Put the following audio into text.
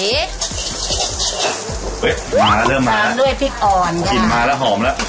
มาแล้วเริ่มมาด้วยพริกอ่อนกลิ่นมาแล้วหอมแล้ว